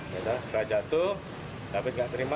setelah jatuh david nggak terima